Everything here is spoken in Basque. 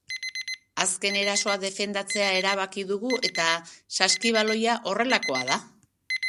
Azken erasoa defendatzea erabaki dugu eta saskibaloia horrelakoa da.